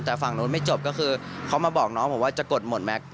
แต่ฝั่งนู้นไม่จบก็คือเขามาบอกน้องผมว่าจะกดหมดแม็กซ